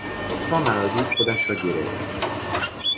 تا مرا دید خودش را گرفت.